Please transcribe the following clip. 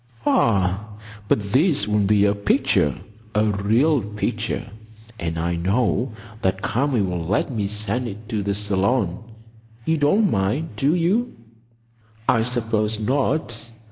"Ah, but this will be a picture,—a real picture; and I know that Kami will let me send it to the Salon. You don't mind, do you?" "I suppose not.